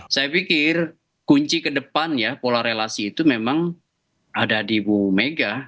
saya pikir kunci ke depan ya pola relasi itu memang ada di ibu mega